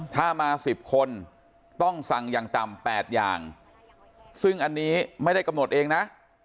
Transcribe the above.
ถ้ามา๑๐คนต้องสั่งอย่างต่ำ๘อย่างซึ่งอันนี้ไม่ได้กำหนดเองนะ